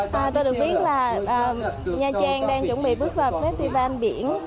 tôi được biết là nha trang đang chuẩn bị bước vào festival biển